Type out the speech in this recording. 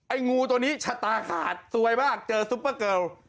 งูตัวนี้ชะตาขาดซวยมากเจอซุปเปอร์เกิล